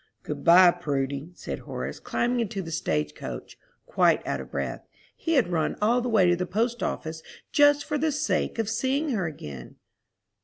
"Good by, Prudy," said Horace, climbing into the stage coach, quite out of breath. He had run all the way to the post office just for the sake of seeing her again.